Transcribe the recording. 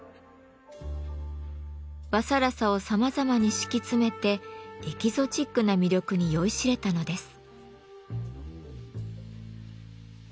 和更紗をさまざまに敷き詰めてエキゾチックな魅力に酔いしれたのです。